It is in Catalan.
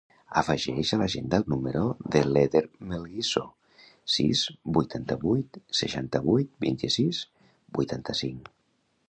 Afegeix a l'agenda el número de l'Eder Melguizo: sis, vuitanta-vuit, seixanta-vuit, vint-i-sis, vuitanta-cinc.